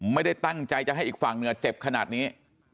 ไม่ได้ตั้งใจจะให้อีกฝั่งเหนือเจ็บขนาดนี้